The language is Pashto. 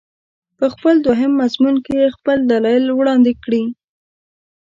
په خپل دوهم مضمون کې یې خپل دلایل وړاندې کړي.